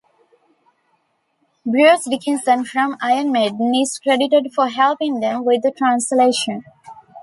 Bruce Dickinson from Iron Maiden is credited for helping them with the translation.